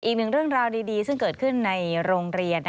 อีกหนึ่งเรื่องราวดีซึ่งเกิดขึ้นในโรงเรียน